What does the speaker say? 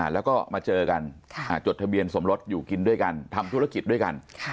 แล้วก็มาเจอกันจดทะเบียนสมรสอยู่กินด้วยกันทำธุรกิจด้วยกัน